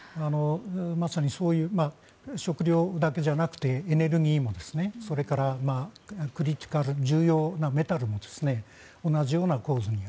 まさに食糧だけじゃなくてエネルギーもそれから重要なメタルも同じような構図に。